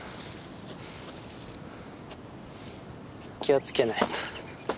気を付けないと。